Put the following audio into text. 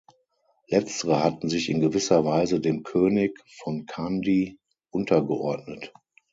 Letztere hatten sich in gewisser Weise dem König (von Kandy) untergeordnet.